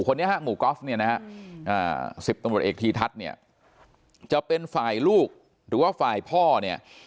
คนนี้ฮะหมู่กอล์ฟเนี่ยนะฮะ๑๐ตำรวจเอกทีทัศน์เนี่ยจะเป็นฝ่ายลูกหรือว่าฝ่ายพ่อเนี่ย